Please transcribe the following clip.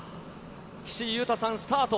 岸優太さん、スタート。